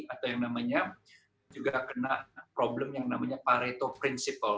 atau yang namanya juga kena problem yang namanya pareto principle